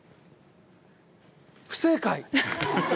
不正解。